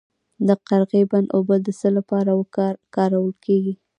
د قرغې بند اوبه د څه لپاره کارول کیږي؟